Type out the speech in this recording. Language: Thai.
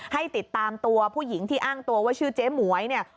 ให้ติดตามตัวผู้หญิงที่อ้างตัวว่าชื่อเจ๊หมวยเนี่ย